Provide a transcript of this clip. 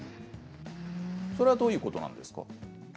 それはどういうことですか。